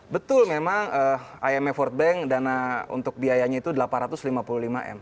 betul memang imf world bank dana untuk biayanya itu delapan ratus lima puluh lima m